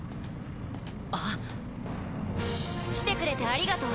来てくれてありがとう。